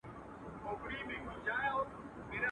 اوړه يو مټ نه لري، تنورونه ئې شل دي.